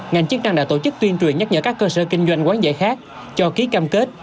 ngành chức năng đã tổ chức tuyên truyền nhắc nhở các cơ sở kinh doanh quán giải khác cho ký cam kết